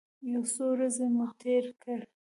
یو څو ورځې مو تېرې کړې.